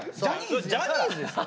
ジャニーズですよ。